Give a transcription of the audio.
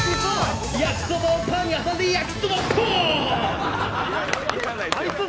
焼きそばをパンに挟んでやきそばパーン。